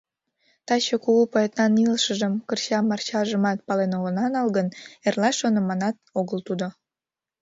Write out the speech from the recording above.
Таче кугу поэтнан илышыжым — кырча-марчажымат — пален огына нал гын, эрла шоныманат огыл тудо.